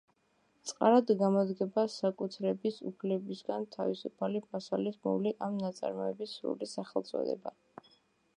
წყაროდ გამოდგება საკუთრების უფლებისგან თავისუფალი მასალის ბმული ან ნაწარმოების სრული სახელწოდება.